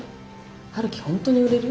陽樹本当に売れる？